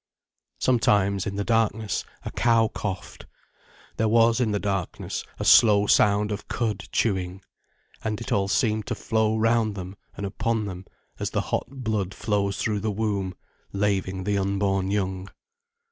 Sometimes, in the darkness, a cow coughed. There was, in the darkness, a slow sound of cud chewing. And it all seemed to flow round them and upon them as the hot blood flows through the womb, laving the unborn young.